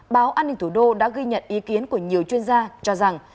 báo an ninh thủ đô đã ghi nhận ý kiến của nhiều chuyên gia cho rằng